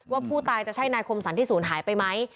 ว่าผู้ตายจะใช่นายคมสรรที่ศูนย์หายไปไหม